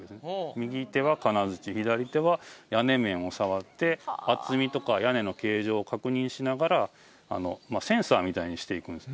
右手は金槌左手は屋根面を触って厚みとか屋根の形状を確認しながらまあセンサーみたいにしていくんです